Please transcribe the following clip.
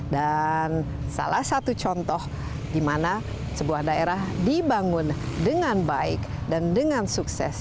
dan salah satu contoh di mana sebuah daerah dibangun dengan baik dan dengan sukses